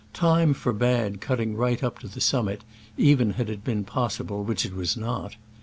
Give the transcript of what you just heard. Time forbade cutting right up to the summit, even had it been possible, which it was not.